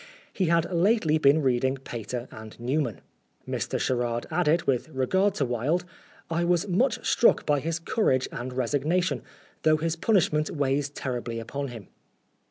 He had lately been reading Pater and Newman. Mr. Sherard added, with regard to Wilde, ' I was much struck by his courage and resignation, though his punishment weighs terribly upon him."